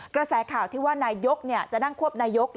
กระแสข่าวที่ว่านายกจะนั่งควบนายก